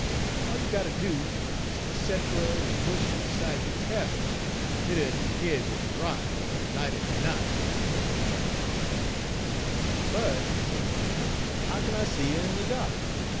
All you got ter do is ter set fer her in de bushes 'side er yo' cabin, en hit her in de head wid a rock er a lighterd knot w'en she goes pas'.' " 'But,' sez Dan, 'how kin I see her in de da'k?